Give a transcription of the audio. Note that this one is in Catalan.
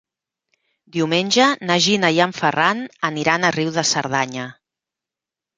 Diumenge na Gina i en Ferran aniran a Riu de Cerdanya.